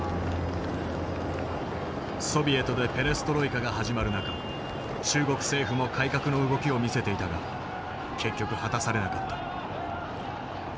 ソビエトでペレストロイカが始まる中中国政府も改革の動きを見せていたが結局果たされなかった。